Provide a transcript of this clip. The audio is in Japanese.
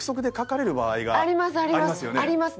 ありますあります！